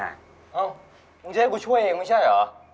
เอ้ามึงจะให้กูช่วยเองไม่ใช่เหรอ